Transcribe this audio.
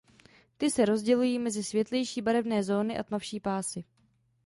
Ty se rozdělují mezi světlejší barevné zóny a tmavší pásy.